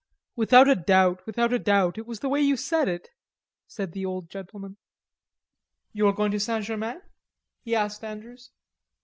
"Without a doubt, without a doubt.... It was the way you said it," said the old gentleman.... "You are going to St. Germain?" he asked Andrews.